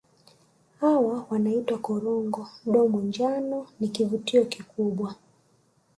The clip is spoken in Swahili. Hawa wanaitwa Korongo Domo njano ni kivutio kikubwa